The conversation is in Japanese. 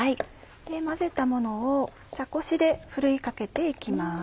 混ぜたものを茶こしでふるいかけて行きます。